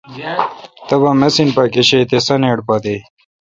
تبا مِسین پا گشے تے سانیٹ پا دے۔